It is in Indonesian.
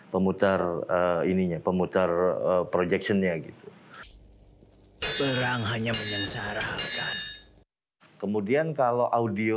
pemutar ininya pemutar projection nya gitu